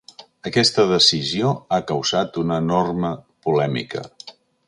Aquesta decisió ha causat una enorme polèmica.